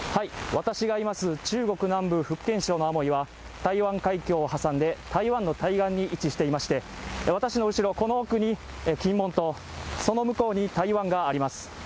私がいます中国南部福建省のアモイは台湾海峡を挟んで台湾の対岸に位置していまして私の後ろこの奥金門島がありましてその向こうに台湾があります